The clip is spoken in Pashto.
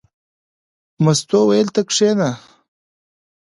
مستو وویل: ته کېنه.